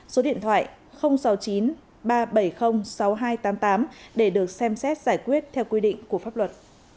số điện thoại sáu mươi chín ba trăm bảy mươi sáu nghìn hai trăm tám mươi tám để được xem xét giải quyết theo quy định của pháp luật